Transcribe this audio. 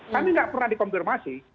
kami tidak pernah dikonfirmasi